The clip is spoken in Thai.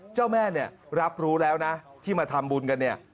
เจ้าแม่รับรู้แล้วนะที่มาทำบุญกัน